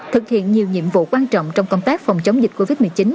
thực hiện nhiều nhiệm vụ quan trọng trong công tác phòng chống dịch covid một mươi chín